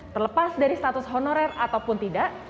terlepas dari status honorer ataupun tidak